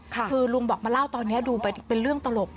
คือลุงบอกมาเล่าตอนนี้ดูเป็นเรื่องตลก